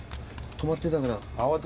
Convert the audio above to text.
止まってたから。